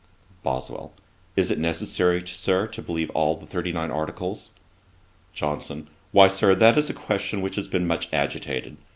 BOSWELL. 'Is it necessary, Sir, to believe all the thirty nine articles?' JOHNSON. 'Why, Sir, that is a question which has been much agitated.